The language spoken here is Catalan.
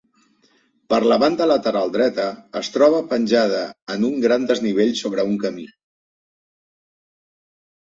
Per la banda lateral dreta es troba penjada en un gran desnivell sobre un camí.